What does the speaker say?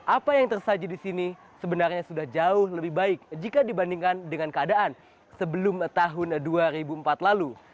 apa yang tersaji di sini sebenarnya sudah jauh lebih baik jika dibandingkan dengan keadaan sebelum tahun dua ribu empat lalu